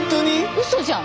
うそじゃん。